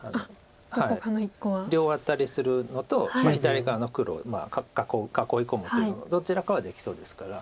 両アタリするのと左側の黒囲い込むっていうのをどちらかはできそうですから。